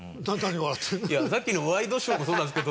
いやさっきのワイドショーもそうなんですけど。